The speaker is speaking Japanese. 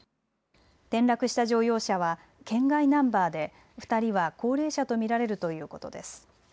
転落した乗用車は県外ナンバーで２人は高齢者と見られるということです。